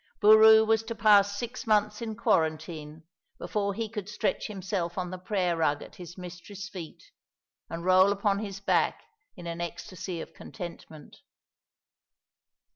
Boroo was to pass six months in quarantine before he could stretch himself on the prayer rug at his mistress's feet, and roll upon his back in an ecstasy of contentment.